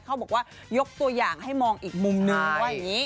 เขาบอกว่ายกตัวอย่างให้มองอีกมุมนึงว่าอย่างนี้